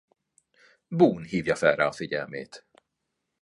Boone hívja fel rá a figyelmét.